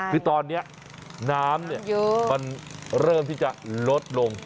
คือตอนนี้น้ำมันเริ่มที่จะลดลง